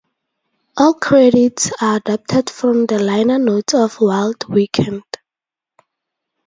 All credits are adapted from the liner notes of "Wild Weekend".